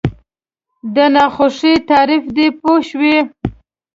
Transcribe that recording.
د ناخوښۍ تعریف دی پوه شوې!.